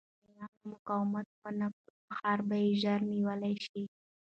که ایرانیان مقاومت ونه کړي، نو ښار به ژر نیول شي.